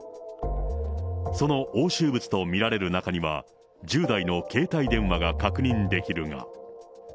その押収物と見られる中には、１０台の携帯電話が確認できるが。